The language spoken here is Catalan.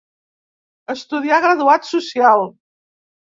Estudià graduat social.